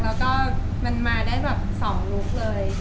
เป็นการแบบมาได้สองลุคเลย